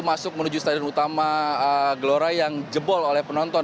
masuk menuju stadion utama gelora yang jebol oleh penonton